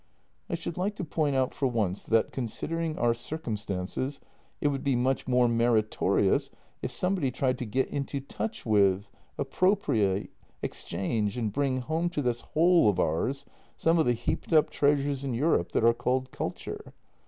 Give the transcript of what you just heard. " I should like to point out for once that, considering our circumstances, it would be much more meritorious if somebody tried to get into touch with, appropriate, exchange, and bring home to this hole of ours some of the heaped up treasures in Europe that are called culture.